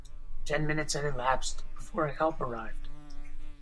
Ten minutes had elapsed before help arrived.